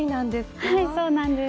はいそうなんです。